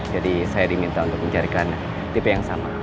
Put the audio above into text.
saya diminta untuk mencarikan tipe yang sama